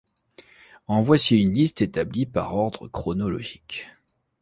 En voici une liste établie par ordre chronologique.